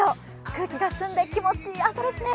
空気が澄んで、気持ちいい朝ですね